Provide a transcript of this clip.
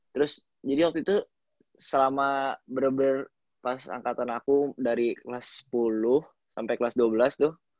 terus jadi waktu itu selama bener bener pas angkatan aku dari kelas sepuluh sampai kelas dua belas tuh